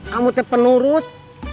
kamu teh penurut